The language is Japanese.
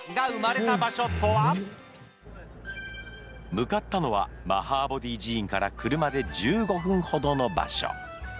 向かったのはマハーボディー寺院から車で１５分ほどの場所。